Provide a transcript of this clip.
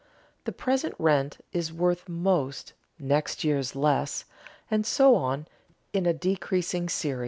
The present rent is worth most, next year's less, and so on in a decreasing series.